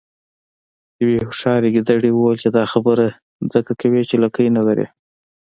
یوې هوښیارې ګیدړې وویل چې دا خبره ځکه کوې چې لکۍ نلرې.